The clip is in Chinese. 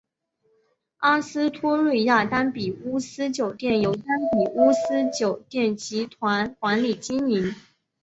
阿斯托瑞亚丹比乌斯酒店由丹比乌斯酒店集团管理经营。